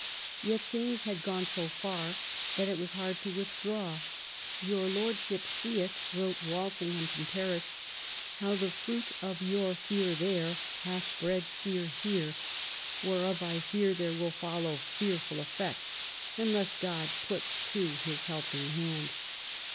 Yet things had gone so far that it was hard to w^ithdraw. Your Lordship seeth,*' wrote Wal singham from Paris, " how the fruit of your fear there hath bred fear here : whereof I fear there will follow fearful effects, unless God put to His helping hand.'